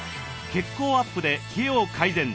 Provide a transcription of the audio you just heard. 血行アップで冷えを改善！